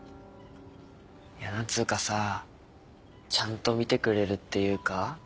いや何つうかさちゃんと見てくれるっていうか。